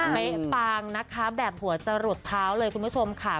เป๊ะปางนะคะแบบหัวจะหลุดเท้าเลยคุณผู้ชมค่ะ